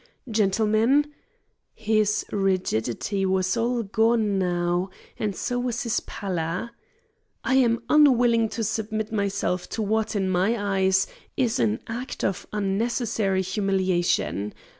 Gentlemen" his rigidity was all gone now and so was his pallor "I am unwilling to submit myself to what, in my eyes, is an act of unnecessary humiliation.